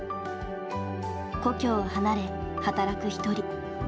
故郷を離れ働く一人。